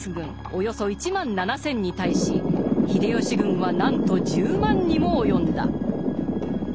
およそ１万７，０００に対し秀吉軍はなんと１０万にも及んだ。